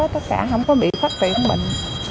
tất cả không có bị phát triển của mình